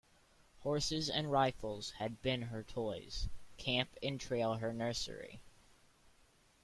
Horses and rifles had been her toys, camp and trail her nursery.